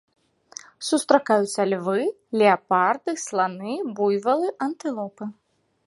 Сустракаюцца львы, леапарды, сланы, буйвалы, антылопы.